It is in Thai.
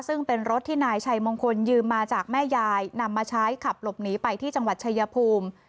ซึ่งเป็นรถที่นายชัยมงคลยืมมาจากแม่ยายนำมาใช้ขับหลบหนีไปที่จังหวัดชายภูมิ